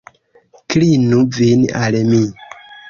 Klinu vin al mi!